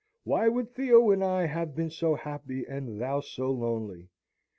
Why should Theo and I have been so happy, and thou so lonely?